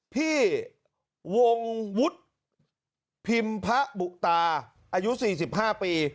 พี่วงวุฒิพิมพะบุตาอายุสี่สิบห้าปี